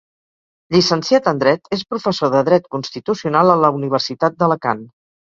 Llicenciat en dret, és professor de dret constitucional a la Universitat d'Alacant.